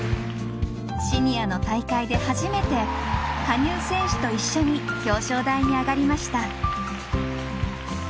シニアの大会で初めて羽生選手と一緒に表彰台に上がりました。